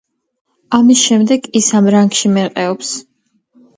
ამის შემდეგ, ის ამ რანგში მერყეობს.